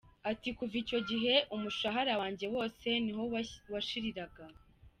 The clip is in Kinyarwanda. Ati “Kuva icyo gihe umushahara wanjye wose ni ho washiriraga.